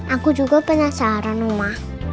aku juga penasaran oma